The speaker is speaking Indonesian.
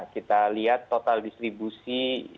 kita lihat total distribusi